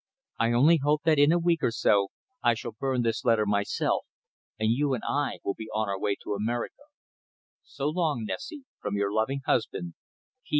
I only hope that in a week or so I shall burn this letter myself, and you and I will be on our way to America. "So long, Nessie, "from your loving husband.